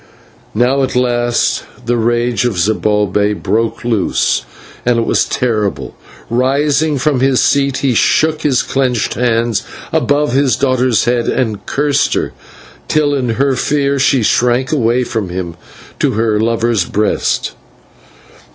Now at last the rage of Zibalbay broke loose, and it was terrible. Rising from his seat he shook his clenched hands above his daughter's head and cursed her, till in her fear she shrank away from him to her lover's breast.